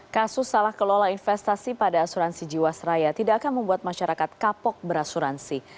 kasus salah kelola investasi pada asuransi jiwasraya tidak akan membuat masyarakat kapok berasuransi